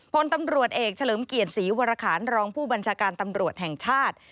พลตำรวจเอกเฉลิมเกียรติศรีวรคารรองผู้บัญชาการตำรวจแห่งชาติ